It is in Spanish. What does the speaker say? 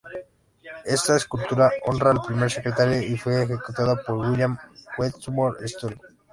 Esta escultura honra al primer secretario y fue ejecutada por William Wetmore Story.